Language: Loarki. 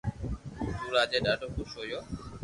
تو راجا ڌادو خوݾ ھويو